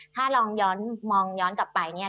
ถ้าลองย้อนมองย้อนกลับไปเนี่ย